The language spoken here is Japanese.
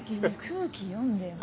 空気読んでよ。